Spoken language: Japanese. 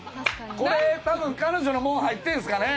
これ多分彼女のもん入ってんですかね。